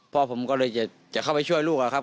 พ่อผมก็เลยจะเข้าไปช่วยลูกอะครับ